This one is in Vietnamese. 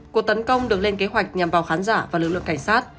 cuộc tấn công được lên kế hoạch nhằm vào khán giả và lực lượng cảnh sát